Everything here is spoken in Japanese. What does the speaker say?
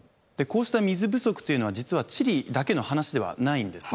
こうした水不足というのは実はチリだけの話ではないんですね。